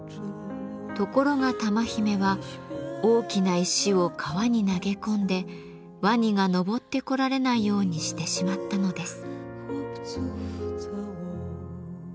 ところが玉姫は大きな石を川に投げ込んでワニが上ってこられないようにしてしまったのです。